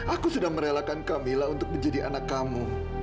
aku sudah merelakan kamila untuk menjadi anak kamu